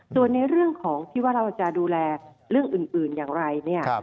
ส่วนในเรื่องของที่ว่าเราจะดูแลเรื่องอื่นอย่างไรเนี่ย